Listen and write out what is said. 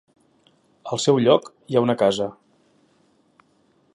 Al seu lloc hi ha una casa.